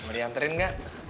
mau dihanterin gak